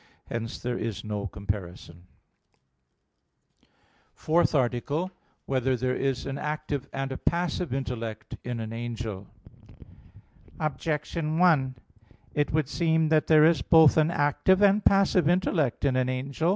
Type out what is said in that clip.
Hence there is no comparison. _______________________ FOURTH ARTICLE [I, Q. 54, Art. 4] Whether There Is an Active and a Passive Intellect in an Angel? Objection 1: It would seem that there is both an active and a passive intellect in an angel.